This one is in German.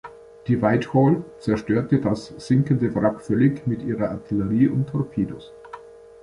Die "Whitehall" zerstörte das sinkende Wrack völlig mit ihrer Artillerie und Torpedos.